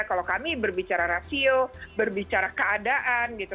kalau kami berbicara rasio berbicara keadaan gitu